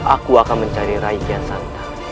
aku akan mencari raikian santang